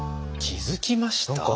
気付きました？